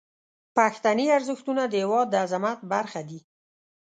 پښتني ارزښتونه د هیواد د عظمت برخه دي.